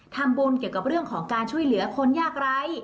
ทำบุญเกี่ยวกับเรื่องของการช่วยเหลือคนยากไร้